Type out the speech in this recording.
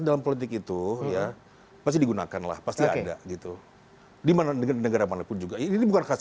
dan holdi wichtig sekali meter di atas luar luartu